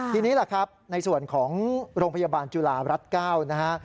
ทีนี้แหละครับในส่วนของโรงพยาบาลจุฬารัฐ๙นะฮะ